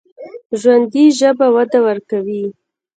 ژوندي ژبه وده ورکوي